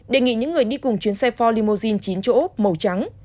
đề nghị những người đi cùng chuyến xe for limousine chín chỗ màu trắng